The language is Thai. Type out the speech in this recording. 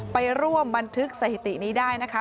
ไปร่วมบันทึกสถิตินี้ได้นะคะ